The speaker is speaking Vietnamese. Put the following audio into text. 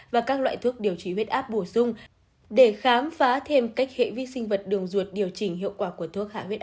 và các loại thuốc điều trị huyết áp bổ sung để khám phá thêm cách hệ vi sinh vật đường ruột điều chỉnh hiệu quả của thuốc hạ huyết áp